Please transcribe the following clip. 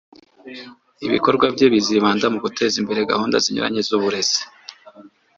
Ibikorwa bye bizibanda mu guteza imbere gahunda zinyuranye z’uburezi